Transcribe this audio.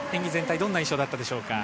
どんな印象だったでしょうか？